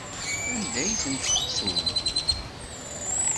Anda ay tent-tettum?